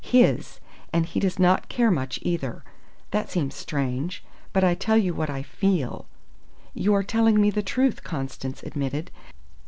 "His. And he does not care much, either. That seems strange. But I tell you what I feel." "You are telling me the truth," Constance admitted.